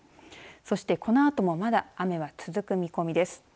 そして、このあとも雨は続く見込みです。